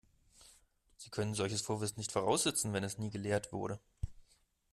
Sie können solches Vorwissen nicht voraussetzen, wenn es nie gelehrt wurde.